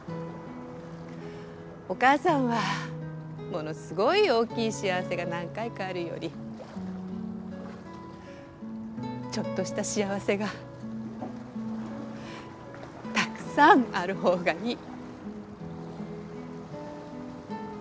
お母さんはものすごい大きい幸せが何回かあるよりちょっとした幸せがたくさんある方がいい。